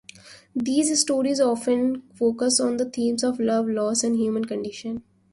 These stories often focus on the themes of love, loss, and the human condition.